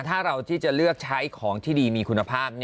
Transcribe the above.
ถ้าเราที่จะเลือกใช้ของที่ดีมีคุณภาพ